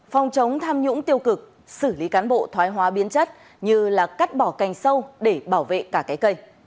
phòng chống tham nhũng tiêu cực xử lý cán bộ thoái hóa biến chất như là cắt bỏ cành sâu để bảo vệ cả cái cây